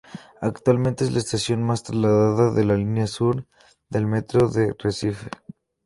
Actualmente es la estación más trasladada de la línea Sur del Metro de Recife.